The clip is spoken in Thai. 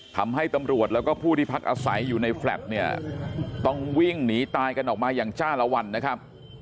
ทำให้ตำรวจแล้วก็ผู้ที่พักอาศัยอยู่ในแฟลต์เนี่ยต้องวิ่งหนีตายกันออกมาอย่างจ้าละวันนะครับ